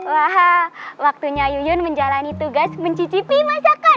waha waktunya yuyun menjalani tugas mencicipi masakan